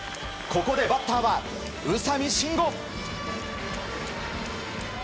ここでバッターは宇佐見真吾。